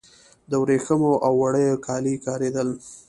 د وریښمو او وړیو کالي کاریدل